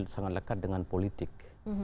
sangat dekat dengan politik